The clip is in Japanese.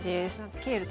ケールとか。